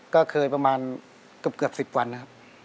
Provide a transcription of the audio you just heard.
ก็เคยประมาณเกือบ๑๐วันนะครับ